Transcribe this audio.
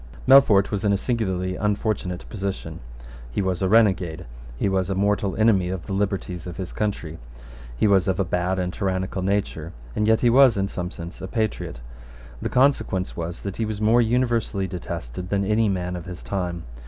Melfort was in a singularly unfortunate position. He was a renegade: he was a mortal enemy of the liberties of his country: he was of a bad and tyrannical nature; and yet he was, in some sense, a patriot. The consequence was that he was more universally detested than any man of his time.